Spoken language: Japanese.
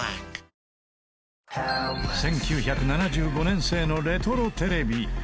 １９７５年製のレトロテレビ。